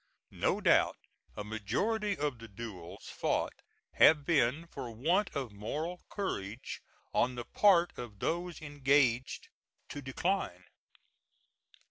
No doubt a majority of the duels fought have been for want of moral courage on the part of those engaged to decline.